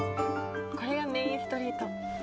これがメインストリート。